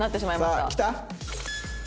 さあ来た？